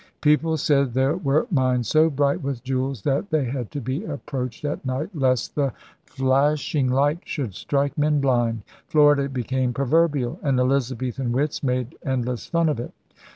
People said there were mines so bright with jewels that they had to be approached at night lest the flash HAWKINS AND THE FIGHTING TRADERS 83 ing light should strike men blind. Florida be came proverbial; and Elizabethan wits made endless fun of it.